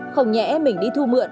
không nhẽ mình đi thu mượn